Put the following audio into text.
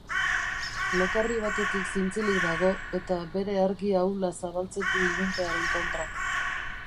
Lokarri batetik zintzilik dago, eta bere argi ahula zabaltzen du ilunpearen kontra.